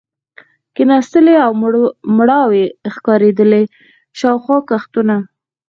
کېناستلې او مړاوې ښکارېدلې، شاوخوا کښتونه.